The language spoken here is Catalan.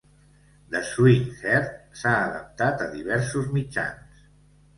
"The Swineherd" s'ha adaptat a diversos mitjans.